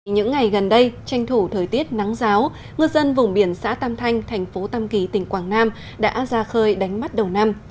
những ngày gần đây tranh thủ thời tiết nắng giáo ngư dân vùng biển xã tam thanh thành phố tam kỳ tỉnh quảng nam đã ra khơi đánh mắt đầu năm